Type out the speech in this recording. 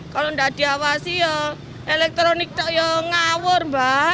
kalau tidak diawasi ya elektronik ngawur mbak